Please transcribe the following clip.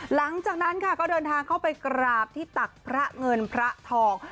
หลังจากนั้นค่ะก็เดินทางเข้าไปกราบที่ตักพระเงินพระทอง